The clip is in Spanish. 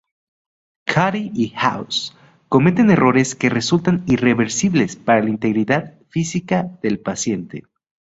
Cuddy y House cometen errores que resultan irreversibles para la integridad física del paciente.